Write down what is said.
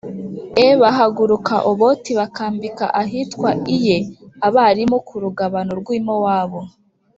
e Bahaguruka Oboti bakambika ahitwa Iye Abarimu ku rugabano rw i Mowabu